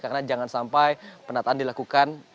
karena jangan sampai penataan dilakukan